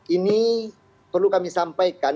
ini perlu kami sampaikan